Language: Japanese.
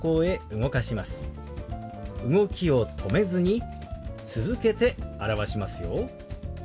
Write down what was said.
動きを止めずに続けて表しますよ。